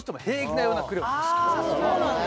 あそうなんだ。